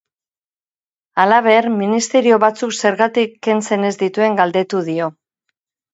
Halaber, ministerio batzuk zergatik kentzen ez dituen galdetu dio.